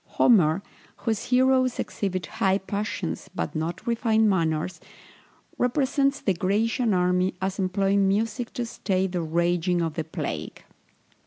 Homer, whose heroes exhibit high passions, but not refined manners, represents the Grecian army as employing music to stay the raging of the plague.